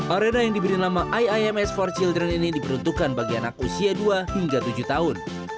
arena yang diberi nama iims empat children ini diperuntukkan bagi anak usia dua hingga tujuh tahun